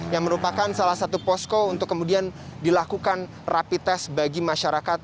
yang merupakan salah satu posko untuk kemudian dilakukan rapi tes bagi masyarakat